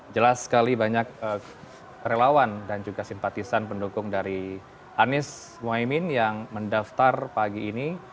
jelas sekali banyak relawan dan juga simpatisan pendukung dari anies mohaimin yang mendaftar pagi ini